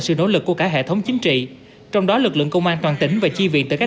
lực lượng của cả hệ thống chính trị trong đó lực lượng công an toàn tỉnh và chi viện từ các